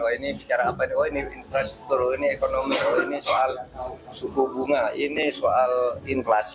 oh ini bicara apa nih oh ini infrastruktur oh ini ekonomi oh ini soal suku bunga ini soal inflasi